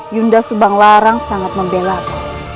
yunda subang larang sangat membelaku